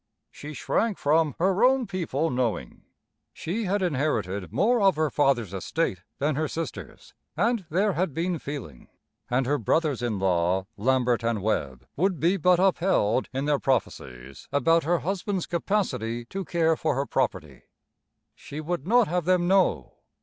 She shrank from her own people knowing; she had inherited more of her father's estate than her sisters, and there had been feeling, and her brothers in law, Lambert and Webb, would be but upheld in their prophecies about her husband's capacity to care for her property. She would not have them know.